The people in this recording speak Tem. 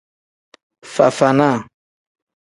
Fafana.